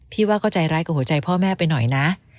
ว่าก็ใจร้ายกับหัวใจพ่อแม่ไปหน่อยนะ